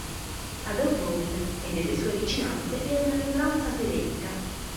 Ad Opole e nelle sue vicinanze vi è una minoranza tedesca.